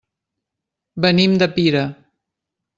Venim de Pira.